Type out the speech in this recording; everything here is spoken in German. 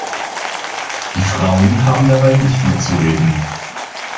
Die Frauen haben dabei nicht mitzureden.